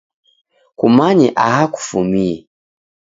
Kumanye aha kufumie.